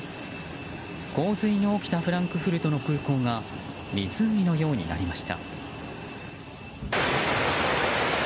洪水の起きたフランクフルトの空港が湖のようになりました。